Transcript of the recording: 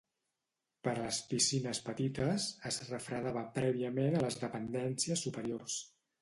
Per a les piscines petites, es refredava prèviament a les dependències superiors.